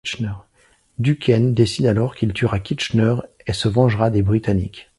Duquesne décide alors qu'il tuera Kitchener et se vengera des Britanniques.